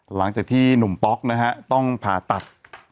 หลังจากที่หนุ่มป๊อกนะฮะต้องผ่าตัด